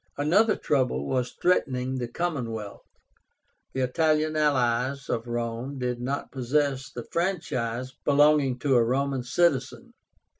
Another trouble was threatening the commonwealth. The Italian allies of Rome did not possess the franchise belonging to a Roman citizen.